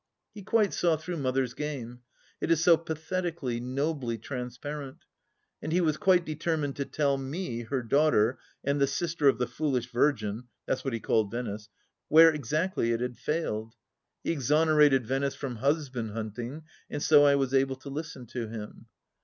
He quite saw through Mother's game. It is so pathetically, nobly, transparent. And he was quite determined to tell me, her daughter, and the sister of the foolish virgin — ^that's what he called Venice — where exactly it had failed. He exonerated Venice from husband hunting, and so I was able to listen to him.